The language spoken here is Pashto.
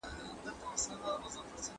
زه د خپل ماشوم وخت څارم.